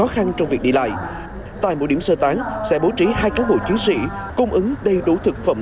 tại một địa điểm sơ tán sẽ bố trí hai cán bộ chiến sĩ cung ứng đầy đủ thực phẩm